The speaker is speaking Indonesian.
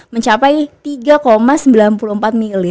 mencapai tiga sembilan puluh empat miliar